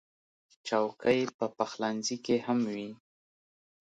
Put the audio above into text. چوکۍ په پخلنځي کې هم وي.